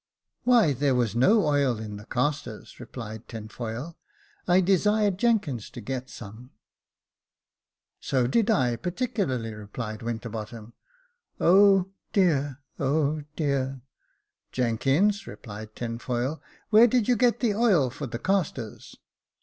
" Why there was no oil in the castors," replied Tinfoil. "I desired Jenkins to get some." 272 Jacob Faithful " So did I, particularly," replied Winterbottom. *' Oh !— oh, dear — oh, dear !" "Jenkins," cried Tinfoil, where did you get the oil for the castors